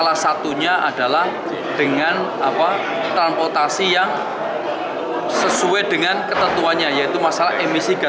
saksinya berapa kalau misalnya penelitian atau uji emisi gitu